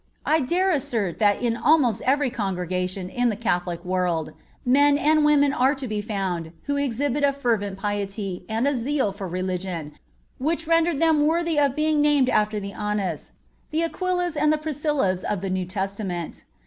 I dare assert that in almost every congregation in the Catholic world, men and women are to be found who exhibit a fervent piety and a zeal for religion which render them worthy of being named after the Annas, the Aquilas and the Priscillas of the New Testament.